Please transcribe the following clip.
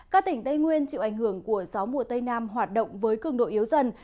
các tỉnh tây nguyên chịu ảnh hưởng của gió mùa tây nam hoạt động với cường độ yếu dần